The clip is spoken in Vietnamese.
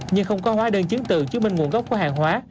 nhưng không có hóa đơn chứng từ chứng minh nguồn gốc của hàng hóa